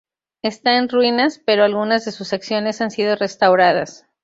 Está en ruinas, pero algunas de sus secciones han sido restauradas.